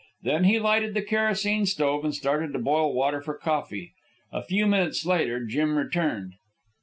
Then he lighted the kerosene stove and started to boil water for coffee. A few minutes later, Jim returned.